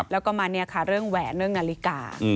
แล้วก็เรื่องแหวนเรื่องนาฬิกา